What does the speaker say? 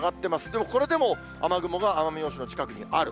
でもこれでも、雨雲が奄美大島の近くにある。